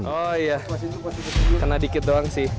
oh iya maksudnya kena dikit doang sih